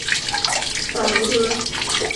圆形盘肠蚤为盘肠蚤科盘肠蚤属的动物。